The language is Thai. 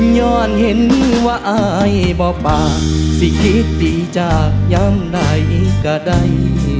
ย้อนเห็นว่าอายบ่ป่าสิคิดดีจากย้ำใดก็ได้